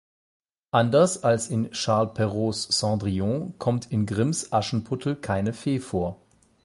Anders als in Charles Perraults Cendrillon kommt in Grimms Aschenputtel keine Fee vor.